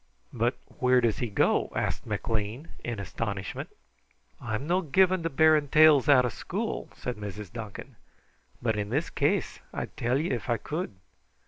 "But where does he go?" asked McLean in astonishment. "I'm no given to bearing tales out of school," said Sarah Duncan, "but in this case I'd tell ye if I could.